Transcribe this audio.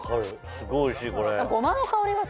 すごいおいしい。